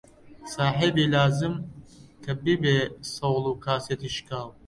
ساحیبی لازم کە بیبێ سەوڵ و کاسێکی شکاو